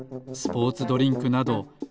スポーツドリンクなど。